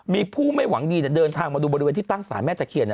มีผู้ไม่หวังดีเดินทางมาดูบริเวณที่ตั้งสารแม่ตะเคียน